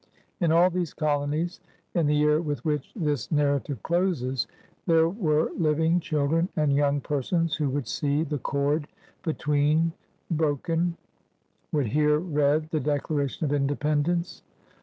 In all these colonies, in the year with which this narrative closes, there were living children and young persons who would see the cord between broken, would hear read the Declaration of Inde pendence.